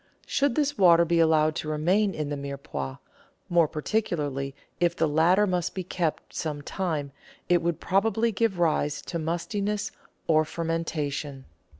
Should this water be allowed to remain in the Mirepoix, more particularly if the latter must be kept some time, it would probably give rise to mustiness or fermentation.